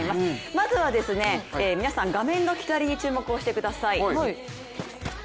まずは皆さん、画面の左に注目してください。